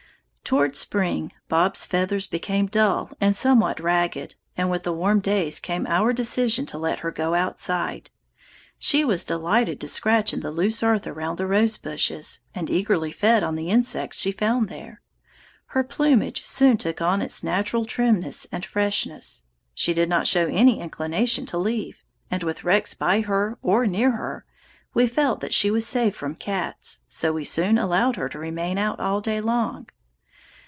"Toward spring Bob's feathers became dull and somewhat ragged, and with the warm days came our decision to let her go outside. She was delighted to scratch in the loose earth around the rosebushes, and eagerly fed on the insects she found there. Her plumage soon took on its natural trimness and freshness. She did not show any inclination to leave, and with Rex by her or near her, we felt that she was safe from cats, so we soon allowed her to remain out all day long.